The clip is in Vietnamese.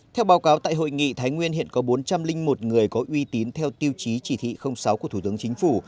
theo báo cáo tại hội nghị thái nguyên hiện có bốn trăm linh một người có uy tín theo tiêu chí chỉ thị sáu của thủ tướng chính phủ